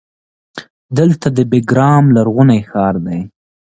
دلته د بیګرام لرغونی ښار و